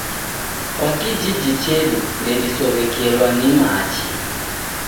Kwa kijiji chedu ndedisow'ekelwa ni machi